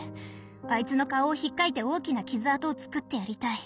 あいつの顔をひっかいて大きな傷痕をつくってやりたい。